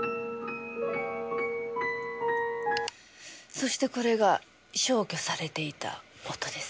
そしてこれが消去されていた音です。